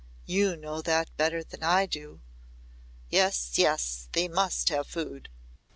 "You know that better than I do." "Yes yes. They must have food."